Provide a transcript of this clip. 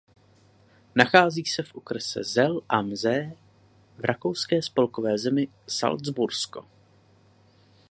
Nachází se v okrese Zell am See v rakouské spolkové zemi Salcbursko.